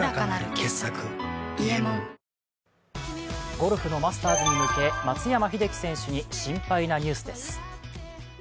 ゴルフのマスターズに向け松山英樹選手に心配なニュースです。